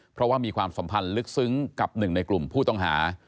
เพราะว่ามีความสัมพันธ์ลึกซึ้งกับหนึ่งในกลุ่มผู้ต้องหา